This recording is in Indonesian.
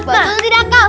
bagul tidak kal